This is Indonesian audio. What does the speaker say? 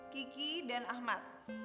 kiki dan ahmad